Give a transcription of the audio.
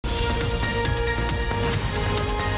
มีความเป็นแม่นักษัตริย์ในเรื่องปกติครับ